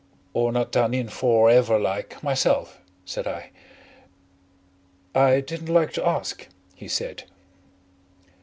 "Or not done in for ever like myself," said I. "I didn't like to ask " he said.